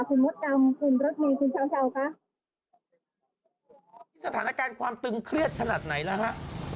คุณมดดำกลุ่มรถเมย์คุณเช้าเช้าคะสถานการณ์ความตึงเครียดขนาดไหนแล้วฮะ